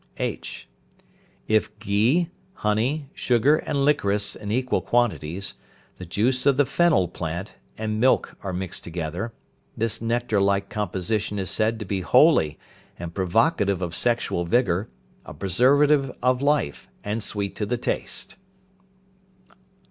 (h). If ghee, honey, sugar, and liquorice in equal quantities, the juice of the fennel plant, and milk are mixed together, this nectar like composition is said to be holy, and provocative of sexual vigour, a preservative of life, and sweet to the taste.